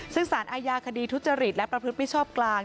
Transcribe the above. ซึ่งสารอาญาคดีทุจริตและประพฤติมิชชอบกลาง